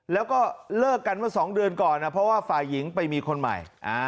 แล้วก็เลิกกันเมื่อ๒เดือนก่อนเพราะว่าฝ่ายหญิงไปมีคนใหม่